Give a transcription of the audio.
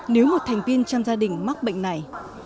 nếu một thành viên trong gia đình mắc bệnh này